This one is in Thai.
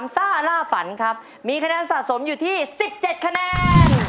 ซ่าล่าฝันครับมีคะแนนสะสมอยู่ที่๑๗คะแนน